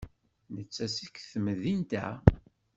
Netta seg temdint-a.